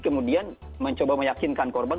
kemudian mencoba meyakinkan korban